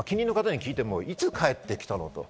近隣の方に聞いても、いつ帰ってきたのかと。